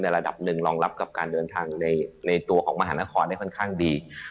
ระดับหนึ่งรองรับกับการเดินทางในตัวของมหานครได้ค่อนข้างดี